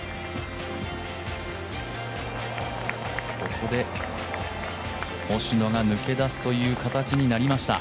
ここで星野が抜け出すという形になりました。